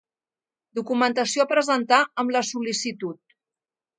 Documentació a presentar amb la sol·licitud.